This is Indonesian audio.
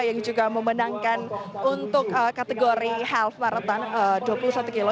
yang juga memenangkan untuk kategori health marathon dua puluh satu km